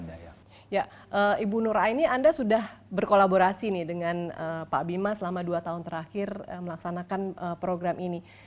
ya ibu nur aini anda sudah berkolaborasi nih dengan pak bima selama dua tahun terakhir melaksanakan program ini